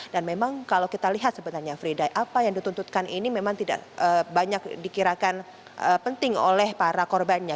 dan memang kalau kita lihat sebenarnya friday apa yang dituntutkan ini memang tidak banyak dikirakan penting oleh para korbannya